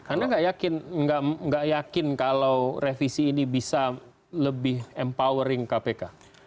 anda nggak yakin kalau revisi ini bisa lebih empowering kpk